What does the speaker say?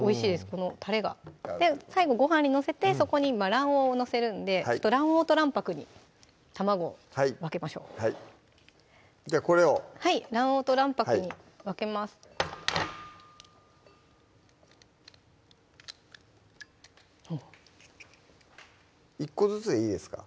このたれが最後ご飯に載せてそこに卵黄を載せるんで卵黄と卵白に卵を分けましょうはいじゃあこれをはい卵黄と卵白に分けます１個ずつでいいですか？